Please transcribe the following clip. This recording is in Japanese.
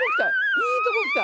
いいとこきた！